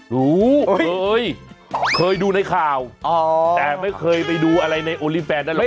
รู้เคยเคยดูในข่าวแต่ไม่เคยไปดูอะไรในโอลี่แฟนนั้นหรอก